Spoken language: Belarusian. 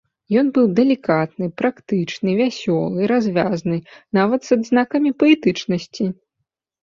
Ён быў далікатны, практычны, вясёлы, развязны, нават з адзнакамі паэтычнасці.